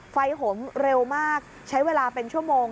ห่มเร็วมากใช้เวลาเป็นชั่วโมง